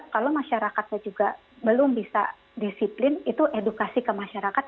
kalau masyarakatnya juga belum bisa disiplin itu edukasi ke masyarakat